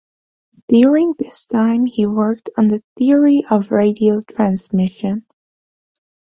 During this time he worked on the theory of radio transmission.